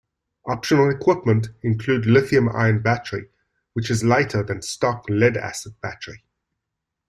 Optional equipment include lithium-ion battery, which is lighter than stock lead-acid battery.